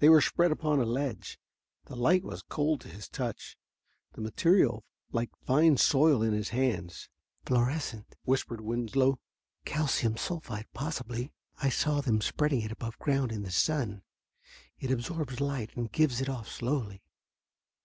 They were spread upon a ledge. The light was cold to his touch, the material like fine soil in his hands. "Fluorescent," whispered Winslow. "Calcium sulphide, possibly; I saw them spreading it above ground in the sun. It absorbs light and gives it off slowly."